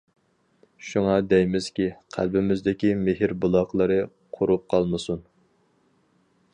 شۇڭا دەيمىزكى، قەلبىمىزدىكى مېھىر بۇلاقلىرى قۇرۇپ قالمىسۇن.